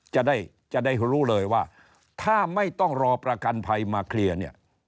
จะได้จะได้รู้เลยว่าถ้าไม่ต้องรอประกันภัยมาเคลียร์เนี่ย